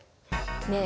ねえ